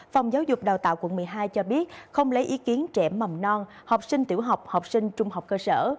phòng giáo dục đào tạo quận một mươi hai cho biết không lấy ý kiến trẻ mầm non học sinh tiểu học học sinh trung học cơ sở